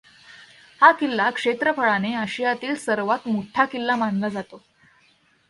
हा किल्ला क्षेत्रफळाने अशियातील सर्वात मोठा किल्ला मानला जातो.